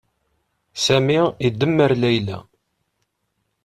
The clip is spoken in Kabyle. Sami idemmer Layla.